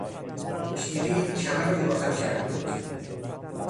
پیری کمر او را خم کرده بود.